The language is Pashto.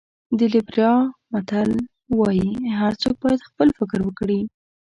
د لېبریا متل وایي هر څوک باید خپل فکر وکړي.